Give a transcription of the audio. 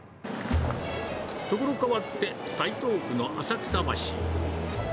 所変わって、台東区の浅草橋。